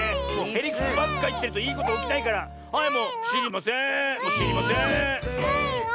へりくつばっかいってるといいことおきないからはいもうしりませんしりません。